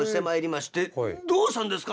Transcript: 「どうしたんですか？